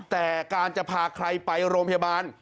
แต่การจะพาใครไปโรงพยาบาล